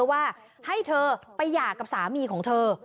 ว่าให้เธอไปหย่ากับสามีของเธอ